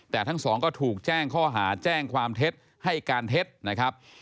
แต่ทั้งสองก็ถูกแจ้งข้อหาแจ้งความเท็จให้การเท็จนะครับ